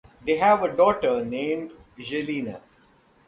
They have a daughter named Jelena.